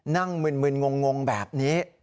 นั่งมืนมืนงงแบบนี้